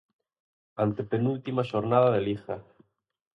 Antepenúltima xornada de Liga.